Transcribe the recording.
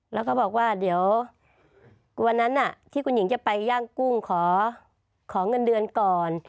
แล้วก็บอกว่าเดี๋ยววันนั้นที่คุณหญิงจะไปย่างกุ้งขอเงินเดือนก่อน